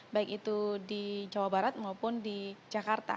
baik itu di jawa barat maupun di jakarta